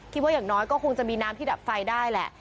อย่างน้อยก็คงจะมีน้ำที่ดับไฟได้แหละ